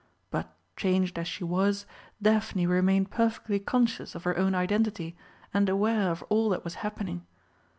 But, changed as she was, Daphne remained perfectly conscious of her own identity and aware of all that was happening.